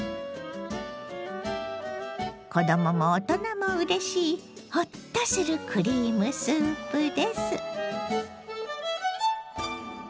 子どもも大人もうれしいホッとするクリームスープです。